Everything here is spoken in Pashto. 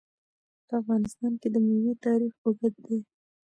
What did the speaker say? په افغانستان کې د مېوې تاریخ اوږد دی.